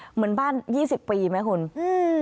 เหมือนบ้านยี่สิบปีไหมคุณอืม